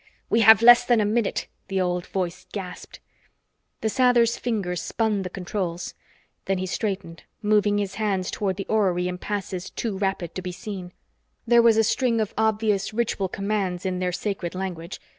"We have less than a minute!" the old voice gasped. The Sather's fingers spun on the controls. Then he straightened, moving his hands toward the orrery in passes too rapid to be seen. There was a string of obvious ritual commands in their sacred language.